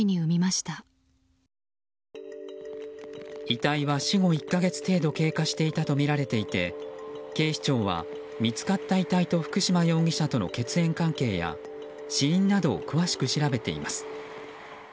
遺体は死後１か月程度経過していたとみられていて警視庁は、見つかった遺体と福島容疑者との血縁関係や死因などを詳しく調べています。